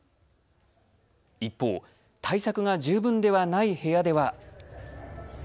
一方、対策が十分ではない部屋では。